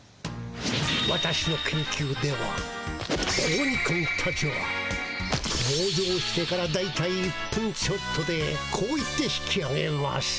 私の研究では子鬼くんたちは登場してからだいたい１分ちょっとでこう言って引きあげます。